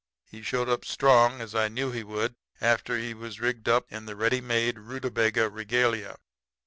He showed up strong, as I knew he would, after he was rigged up in the ready made rutabaga regalia.